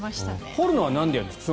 掘るのはなんでやるんですか。